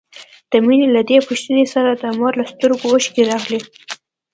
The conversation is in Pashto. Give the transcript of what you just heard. د مينې له دې پوښتنې سره د مور له سترګو اوښکې راغلې.